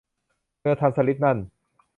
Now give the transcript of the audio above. เธอทำสลิปนั่น